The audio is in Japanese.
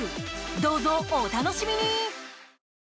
どうぞ、お楽しみに！